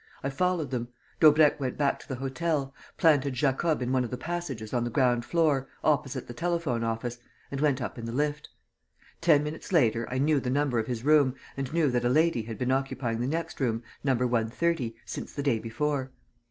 I followed them. Daubrecq went back to the hotel, planted Jacob in one of the passages on the ground floor, opposite the telephone office, and went up in the lift. Ten minutes later I knew the number of his room and knew that a lady had been occupying the next room, No. 130, since the day before.